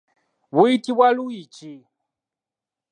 Buyitibwa luyiki.